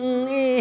để ông cho rằng